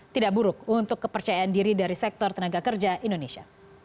tidak buruk untuk kepercayaan diri dari sektor tenaga kerja indonesia